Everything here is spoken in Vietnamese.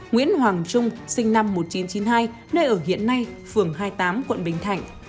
nguyễn hoàng trung sinh năm một nghìn chín trăm chín mươi hai nơi ở hiện nay phường hai mươi tám quận bình thạnh